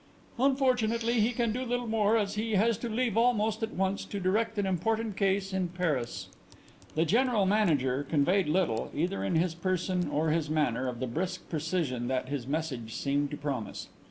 "Unfortunately he can do little more as he has to leave almost at once to direct an important case in Paris." The General Manager conveyed little, either in his person or his manner, of the brisk precision that his message seemed to promise.